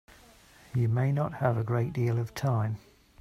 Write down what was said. You may not have a great deal of time.